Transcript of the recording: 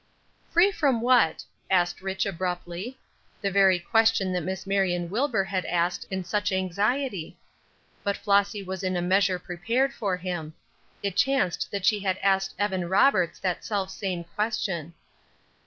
'" "Free from what?" asked Rich., abruptly. The very question that Miss Marion Wilbur had asked in such anxiety. But Flossy was in a measure prepared for him. It chanced that she had asked Evan Roberts that self same question.